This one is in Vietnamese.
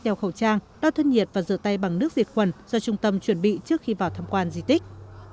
đeo khẩu trang đo thân nhiệt và rửa tay bằng nước diệt quần do trung tâm chuẩn bị trước khi vào thăm quan di tích